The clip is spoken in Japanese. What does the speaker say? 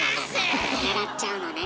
もらっちゃうのね。